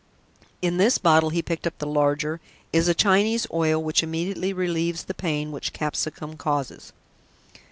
In this bottle," he picked up the larger, "is a Chinese oil which immediately relieves the pain which capsicum causes."